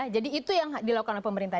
jadi itu yang dilakukan oleh pemerintah